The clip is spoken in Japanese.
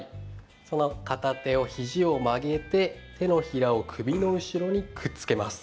その片手を肘を曲げて手のひらを首の後ろにくっつけます。